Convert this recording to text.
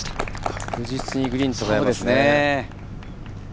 確実にグリーンとらえてきますね。